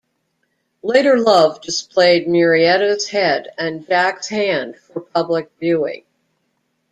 Later Love displayed Murrieta's head and Jack's hand for public viewing.